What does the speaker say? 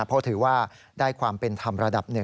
เพราะถือว่าได้ความเป็นธรรมระดับหนึ่ง